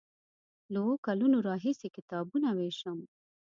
له اوو کلونو راهیسې کتابونه ویشم.